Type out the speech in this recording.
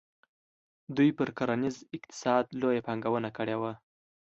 دوی پر کرنیز اقتصاد لویه پانګونه کړې وه.